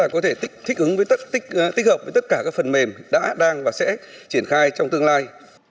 có thể tích hợp với tất cả các phần mềm đã đang và sẽ triển khai trong tương lai